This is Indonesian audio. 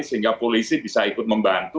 sehingga polisi bisa ikut membantu